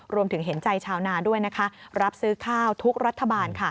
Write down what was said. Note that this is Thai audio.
เห็นใจชาวนาด้วยรับซื้อข้าวทุกรัฐบาล